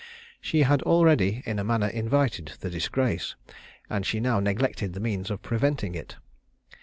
She had already in a manner invited the disgrace, and she now neglected the means of preventing it.